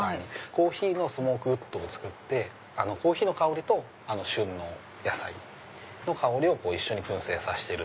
コーヒーのスモークウッドを作ってコーヒーの香りと旬の野菜の香りを一緒に燻製させてる。